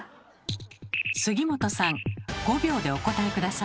杉本さん５秒でお答え下さい。